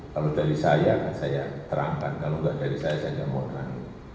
kalau dari saya saya terangkan kalau enggak dari saya saya nggak mau rame